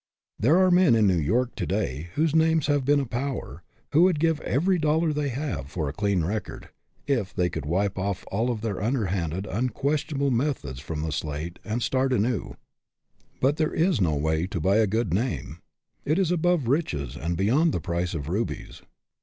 There are men in New York, to day, whose names have been a power, who would give every dollar they have for a clean record if they could wipe off all their underhanded, questionable methods from the slate and start anew; but there is no way to buy a good name. It is above riches, and beyond the price of rubies.